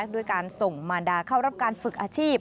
ด้วยการส่งมารดาเข้ารับการฝึกอาชีพ